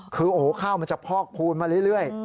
คือโอ้โหข้าวมันจะพอกพูนมาเรื่อย